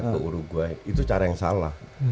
ke uruguay itu cara yang salah